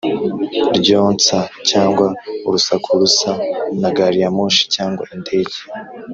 ryonsa, cyangwa urusaku rusa na gari ya moshi cyangwa indege